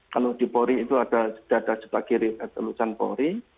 kalau di pori itu ada dada sebelah kiri itu lutan pori